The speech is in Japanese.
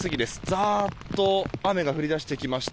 ザーッと雨が降り出してきました。